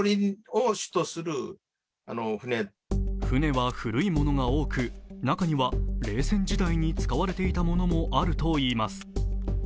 船は古いものが多く、中には冷戦時代に使われていたものもあるといいます。